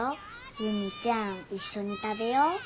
夕実ちゃんいっしょに食べよう。